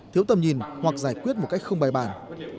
thiếu tầm nhìn hoặc giải quyết một cách không bài bản